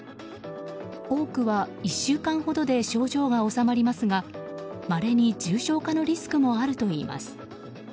多くは１週間ほどで症状が治まりますがまれに重症化のリスクもあるといいます。